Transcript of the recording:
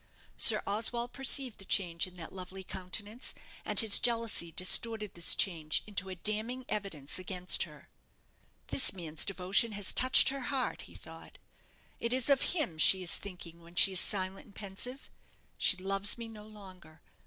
Sir Oswald perceived the change in that lovely countenance, and his jealousy distorted this change into a damning evidence against her. "This man's devotion has touched her heart," he thought. "It is of him she is thinking when she is silent and pensive. She loves me no longer.